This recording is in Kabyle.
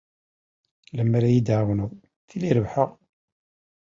Lemmer d iyi-tɛawneḍ tili rebḥeɣ.